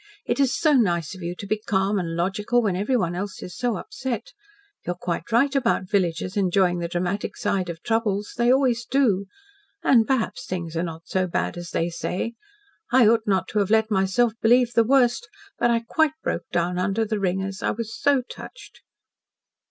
"It is so nice of you to be calm and logical when everybody else is so upset. You are quite right about villagers enjoying the dramatic side of troubles. They always do. And perhaps things are not so bad as they say. I ought not to have let myself believe the worst. But I quite broke down under the ringers I was so touched."